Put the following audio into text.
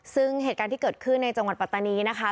ซึ่งเหตุการณ์ที่เกิดขึ้นในจังหวัดปัตตานีนะคะ